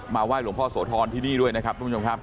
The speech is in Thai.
ไห้หลวงพ่อโสธรที่นี่ด้วยนะครับทุกผู้ชมครับ